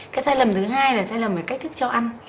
cái sai lầm thứ hai là sai lầm về cách thức cho ăn